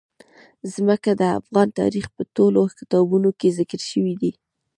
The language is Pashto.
ځمکه د افغان تاریخ په ټولو کتابونو کې ذکر شوی دي.